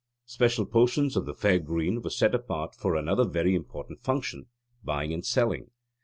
Special portions of the fair green were set apart for another very important function buying and selling.